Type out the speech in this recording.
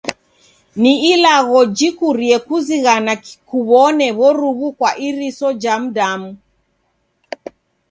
Ni ilagho jikurie kuzighana kuw'one w'oruw'u kwa iriso ja m'damu.